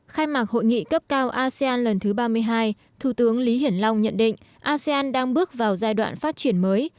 khai mạc hội nghị cấp cao asean lần thứ ba mươi hai thủ tướng lý hiển long nhận định asean đang bước vào giai đoạn phát triển mới